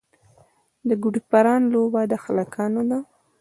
د ګوډي پران لوبه د هلکانو ده.